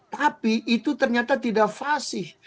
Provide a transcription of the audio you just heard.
tapi itu ternyata tidak fasih